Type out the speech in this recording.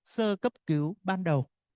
sơ cấp cứu ban đầu